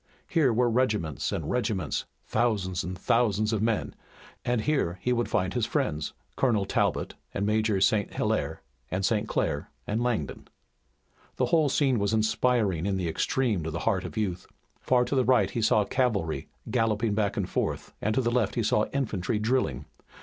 Here were regiments and regiments, thousands and thousands of men and here he would find his friends, Colonel Talbot and Major St. Hilaire, and St. Clair and Langdon. The whole scene was inspiring in the extreme to the heart of youth. Far to the right he saw cavalry galloping back and forth, and to the left he saw infantry drilling.